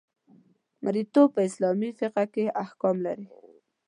مرییتوب په اسلامي فقه کې احکام لري.